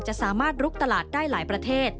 จะสามารถลุกตลาดได้หลายประเทศ